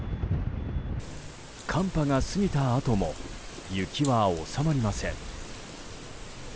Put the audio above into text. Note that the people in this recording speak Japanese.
寒波が過ぎたあとも雪は収まりません。